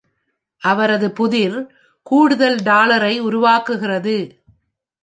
அவரது புதிர் கூடுதல் டாலரை உருவாக்குகிறது.